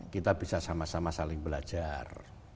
kita bisa sama sama saling belajar